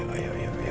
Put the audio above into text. ah berhati hati mas